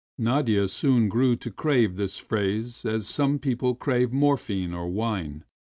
Nadia soon grew to crave this phrase as some peo ple crave morphine or wine.